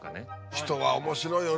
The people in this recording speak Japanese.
人は面白いよね